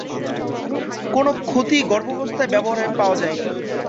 কোন ক্ষতি গর্ভাবস্থায় ব্যবহারে পাওয়া যায়নি।